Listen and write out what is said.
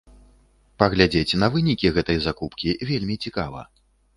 Паглядзець на вынікі гэтай закупкі вельмі цікава.